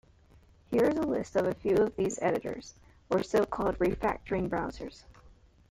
Here is a list of a few of these editors, or so-called refactoring browsers.